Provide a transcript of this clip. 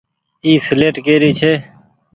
اي سيليٽ ڪي ري ڇي۔